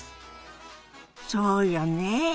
そうよね。